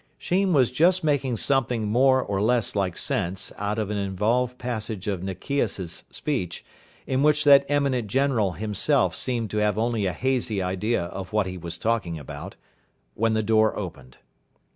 Sheen was just making something more or less like sense out of an involved passage of Nikias' speech, in which that eminent general himself seemed to have only a hazy idea of what he was talking about, when the door opened.